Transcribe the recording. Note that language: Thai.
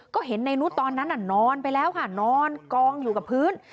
ก็เห็นในนุษย์ตอนนั้นนอนไปแล้วค่ะนอนกองอยู่กับพื้น